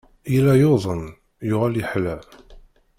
Yella yuḍen, yuɣal yeḥla.